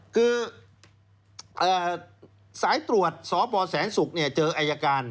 คือสายตรวจสปแสนศุกร์เจออายการ